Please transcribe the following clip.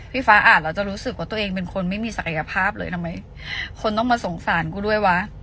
ฟ้าอ่านแล้วจะรู้สึกว่าตัวเองเป็นคนไม่มีศักยภาพเลยทำไมคนต้องมาสงสารกูด้วยวะ